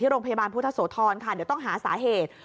โรงพยาบาลพุทธโสธรค่ะเดี๋ยวต้องหาสาเหตุ